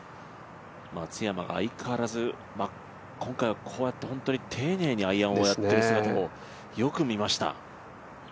松山が相変わらず、今回は丁寧にアイアンをやっている姿もよく見ました。